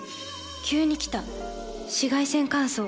急に来た紫外線乾燥。